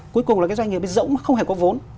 cuối cùng là cái doanh nghiệp rỗng mà không hề có vốn